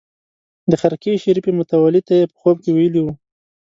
د خرقې شریفې متولي ته یې په خوب کې ویلي.